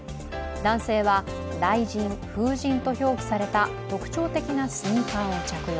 男性は雷神、風神と表記された特徴的なスニーカーを着用。